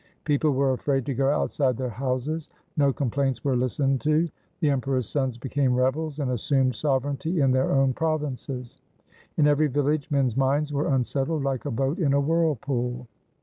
People were afraid to go outside their houses. No complaints were listened to. The Emperor's sons became rebels, and assumed sovereignty in their own provinces. In every village men's minds were unsettled like a boat in a whirlpool.